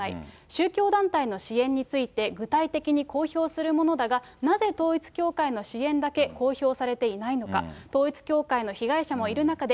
宗教団体の支援について、具体的に公表するものだが、なぜ統一教会の支援だけ公表されていないのか。